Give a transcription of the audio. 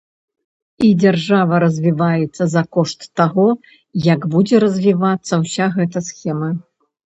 І дзяржава развіваецца за кошт таго, як будзе развівацца ўся гэта схема.